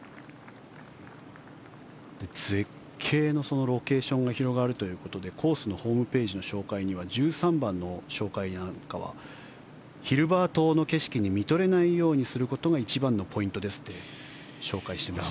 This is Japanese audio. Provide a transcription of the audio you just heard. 絶景のロケーションが広がるということでコースのホームページの紹介には１３番の紹介なんかはヒルバー島の景色に見とれないようにすることが１番のポイントですって紹介していました。